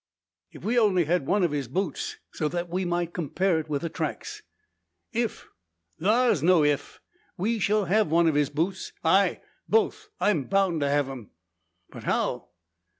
"If we only had one of his boots, so that we might compare it with the tracks." "If! Thar's no if. We shall hev one o' his boots ay, both I'm boun' to hev 'em." "But how?"